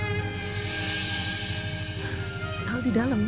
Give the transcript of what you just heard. mas al di dalam